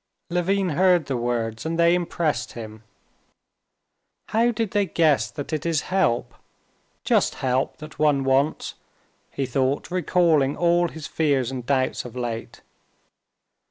Levin heard the words, and they impressed him. "How did they guess that it is help, just help that one wants?" he thought, recalling all his fears and doubts of late.